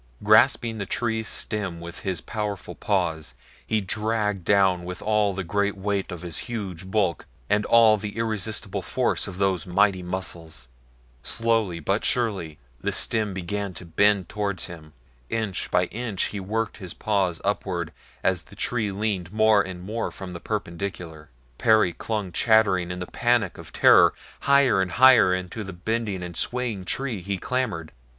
Grasping the tree's stem with his powerful paws he dragged down with all the great weight of his huge bulk and all the irresistible force of those mighty muscles. Slowly, but surely, the stem began to bend toward him. Inch by inch he worked his paws upward as the tree leaned more and more from the perpendicular. Perry clung chattering in a panic of terror. Higher and higher into the bending and swaying tree he clambered.